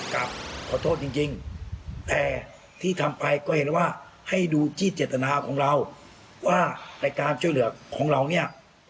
กลับขอโทษจริงแต่ที่ทำไปก็เห็นว่าให้ดูที่เจตนาของเราว่าในการช่วยเหลือของเราเนี่ย